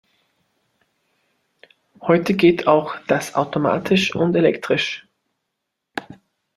Heute geht auch das automatisch und elektrisch.